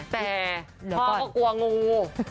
แต่พ่อก็กลัวงู